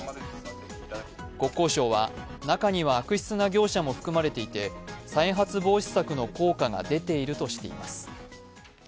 国交省は中には悪質な業者も含まれていて再発防止策の効果が出ているとしています。